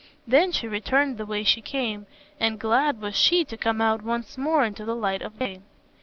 Then she returned the way she came, and glad was she to come out once more into the light of day.